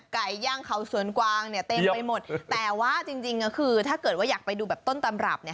ไก่ย่างเขาสวนกวางเนี่ยเต็มไปหมดแต่ว่าจริงจริงก็คือถ้าเกิดว่าอยากไปดูแบบต้นตำรับเนี่ย